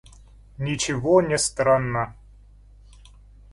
– Ничего не странно.